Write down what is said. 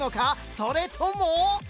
それとも？